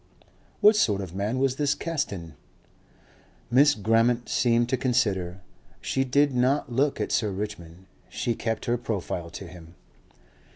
"What sort of man was this Caston?" Miss Grammont seemed to consider. She did not look at Sir Richmond; she kept her profile to him.